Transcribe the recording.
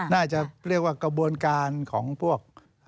น่าจะเรียกว่ากระบวนการของพวก